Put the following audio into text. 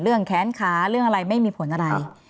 เรื่องแค้นค้าเรื่องอะไรไม่มีผลอะไร